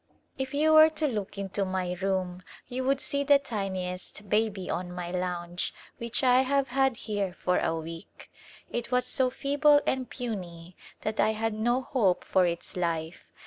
A Glimpse of India If you were to look into my room you would see the tiniest baby on my lounge, which I have had here for a week. It was so feeble and puny that I had no hope for its life.